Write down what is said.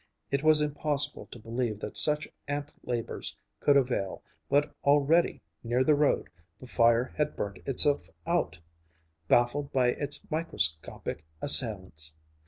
It was impossible to believe that such ant labors could avail, but already, near the road, the fire had burnt itself out, baffled by its microscopic assailants.